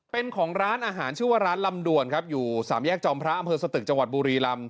เป็นของร้านอาหารชื่อว่าร้านลำด่วนครับอยู่สามแยกจอมพระอำเภอสตึกจังหวัดบุรีลำ